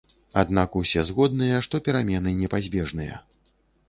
Аднак усе згодныя, што перамены непазбежныя.